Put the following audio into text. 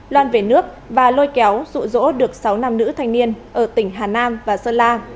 loan về nước và lôi kéo rụ rỗ được sáu nam nữ thanh niên ở tỉnh hà nam và sơn la